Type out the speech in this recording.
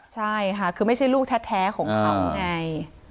ใช่ค่ะคือไม่ใช่ลูกแท้ของเขาไง